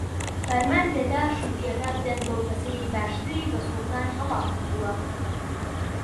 فەرمان دەدا شووتییەکە بدەن بەو کەسەی باشتری بە سوڵتان هەڵاکوتووە